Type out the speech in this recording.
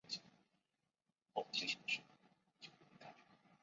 一针一线